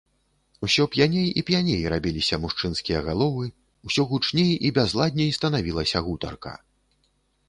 Усё п'яней і п'яней рабіліся мужчынскія галовы, усё гучней і бязладней станавілася гутарка.